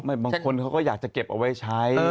บางคนเขาก็อยากจะเก็บเอาไว้ใช้